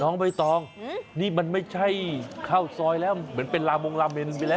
น้องใบตองนี่มันไม่ใช่ข้าวซอยแล้วเหมือนเป็นลามงลาเมนไปแล้ว